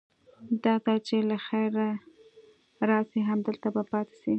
دا ځل چې له خيره راسي همدلته به پاته سي.